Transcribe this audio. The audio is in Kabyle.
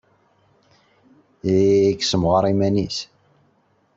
Yeɣreq Ḥasan.